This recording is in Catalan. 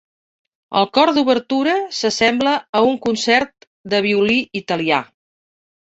El cor d'obertura s'assembla a un concert de violí italià.